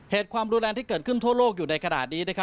เหตุความรู้แรงที่เกิดขึ้นโทษโรคอยู่ในขณะนี้